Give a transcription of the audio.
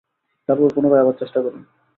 তারপর পুনরায় আবার চেষ্টা করুন।